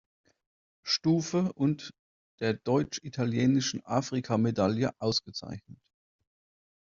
Stufe und der "Deutsch-Italienischen Afrika-Medaille" ausgezeichnet.